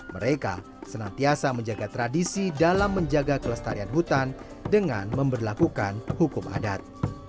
mereka senantiasa menjaga tradisi dalam menjaga kelestarian hutan dengan memperlakukan hukum adat